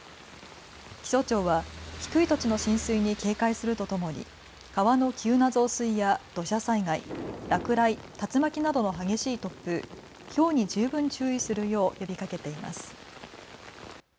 気象庁は低い土地の浸水に警戒するとともに川の急な増水や土砂災害、落雷、竜巻などの激しい突風、ひょうに十分注意するよう呼びかけています。